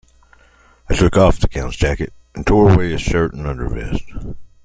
I took off the Count's jacket and tore away his shirt and undervest.